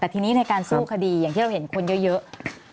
แต่ทีนี้ในการสู้คดีอย่างที่เราเห็นคนเยอะ